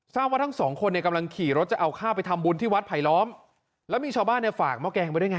ว่าทั้งสองคนเนี่ยกำลังขี่รถจะเอาข้าวไปทำบุญที่วัดไผลล้อมแล้วมีชาวบ้านเนี่ยฝากหม้อแกงไปด้วยไง